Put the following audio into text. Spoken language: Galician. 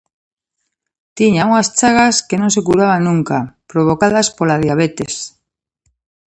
Tiña unhas chagas que non se curaban nunca, provocadas pola diabetes.